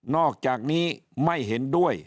อกจากนี้ไม่เห็นด้วย